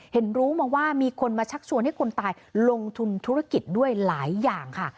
รู้มาว่ามีคนมาชักชวนให้คนตายลงทุนธุรกิจด้วยหลายอย่างค่ะ